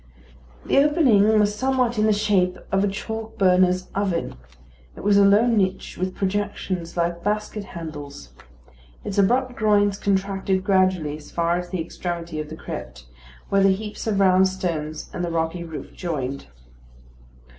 The opening was somewhat in the shape of a chalk burner's oven. It was a low niche with projections like basket handles. Its abrupt groins contracted gradually as far as the extremity of the crypt, where the heaps of round stones and the rocky roof joined.